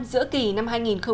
giữa kỳ năm hai nghìn một mươi tám